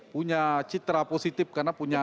punya citra positif karena punya